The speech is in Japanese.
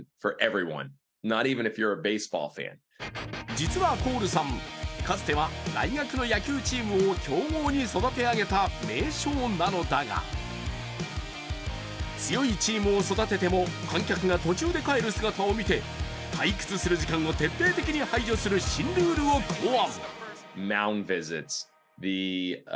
実はコールさん、かつては大学の野球チームを強豪に育て上げた名将なのだが、強いチームを育てても観客が途中で帰る姿を見て退屈する時間を徹底的に排除する新ルールを考案。